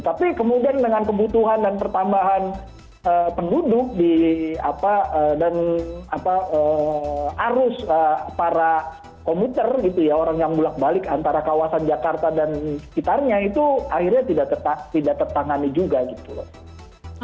tapi kemudian dengan kebutuhan dan pertambahan penduduk dan arus para komuter gitu ya orang yang bulat balik antara kawasan jakarta dan sekitarnya itu akhirnya tidak tertangani juga gitu loh